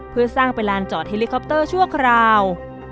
เพื่อสร้างเป็นลานจอดเฮลิคอปเตอร์ชั่วคราว